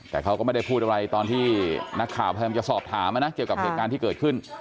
แต่เขาก็ไม่ได้พูดอะไรตอนที่นักข่าวพยายามจะสอบถามนะเกี่ยวกับเหตุการณ์ที่เกิดขึ้น